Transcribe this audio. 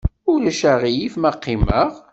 Ulac aɣilif ma qqimeɣ?